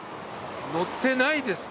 乗ってない。